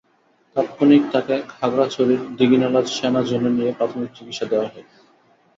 তাৎক্ষণিক তাঁকে খাগড়াছড়ির দীঘিনালা সেনা জোনে নিয়ে প্রাথমিক চিকিৎসা দেওয়া হয়।